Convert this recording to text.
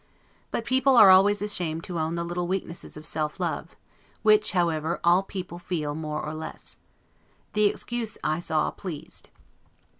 But people are always ashamed to own the little weaknesses of self love, which, however, all people feel more or less. The excuse, I saw, pleased.